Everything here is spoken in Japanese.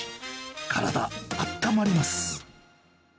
体あったまります。